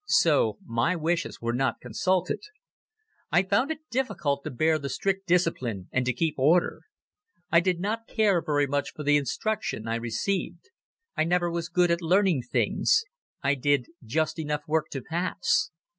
So my wishes were not consulted. I found it difficult to bear the strict discipline and to keep order. I did not care very much for the instruction I received. I never was good at learning things. I did just enough work to pass.